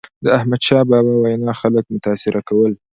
د احمدشاه بابا وینا خلک متاثره کول.